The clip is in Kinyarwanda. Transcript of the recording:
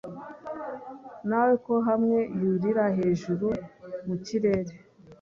Nawe ko hamwe yurira hejuru mukirere